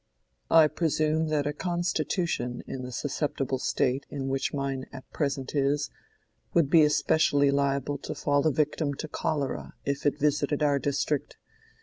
"I presume that a constitution in the susceptible state in which mine at present is, would be especially liable to fall a victim to cholera, if it visited our district.